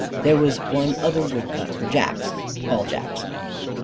There was one other wood cut for jacks all jacks.